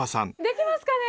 できますかね？